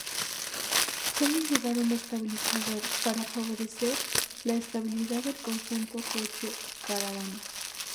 Suelen llevar un estabilizador para favorecer la estabilidad del conjunto coche-caravana.